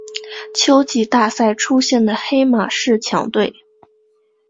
秋季大赛出现的黑马式强队。